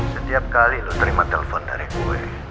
setiap kali lo terima telepon dari gue